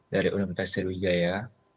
dari universitas sriwijaya